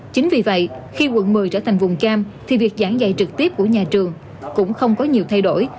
chính vì vậy khi quận một mươi trở thành vùng cam thì việc giảng dạy trực tiếp của nhà trường cũng không có nhiều thay đổi